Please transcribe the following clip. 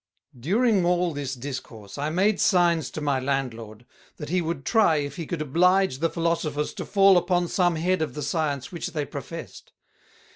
_ During all this Discourse, I made Signs to my Landlord, that he would try if he could oblige the Philosophers to fall upon some head of the Science which they professed.